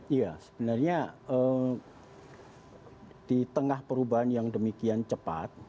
iya sebenarnya di tengah perubahan yang demikian cepat